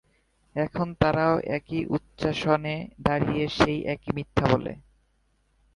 এখন তারাও একই উচ্চাসনে দাঁড়িয়ে সেই একই মিথ্যা বলে।